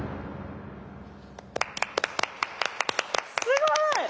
すごい。